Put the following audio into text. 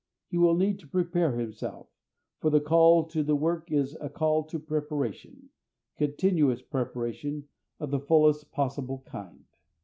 He will need to prepare himself, for the call to the work is also a call to preparation, continuous preparation of the fullest possible kind.